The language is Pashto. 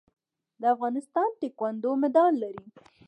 د افغانستان تکواندو مډال لري